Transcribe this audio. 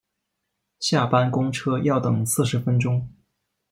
下班公车要等四十分钟